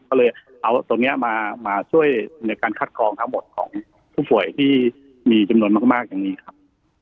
ก็เลยเอาตรงนี้มาช่วยในการคัดกรองทั้งหมดของผู้ป่วยที่มีจำนวนมากอย่างนี้ครับ